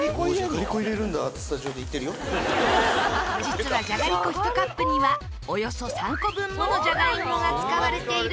実はじゃがりこ１カップにはおよそ３個分ものじゃがいもが使われているんです。